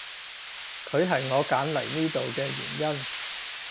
佢係我揀嚟呢度嘅原因